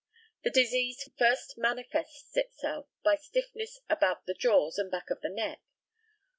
The disease first manifests itself by stiffness about the jaws and back of the neck.